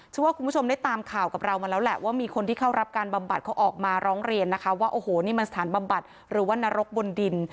เชื่อว่าคุณผู้ชมได้ตามข่าวกับเรามาแล้วแหละว่ามีคนที่เข้ารับการบำบัดเขาออกมาร้องเรียนนะคะว่าโอ้โหนี่มันสถานบำบัดหรือว่านรกบนดิน